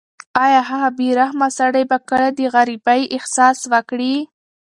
ایا هغه بې رحمه سړی به کله د غریبۍ احساس وکړي؟